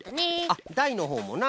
あっだいのほうもな。